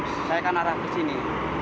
saya akan arah kesini